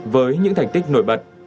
với những thành tích nổi bật